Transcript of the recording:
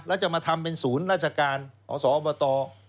แล้วจะมาทำเป็นศูนย์ราชการอสอบต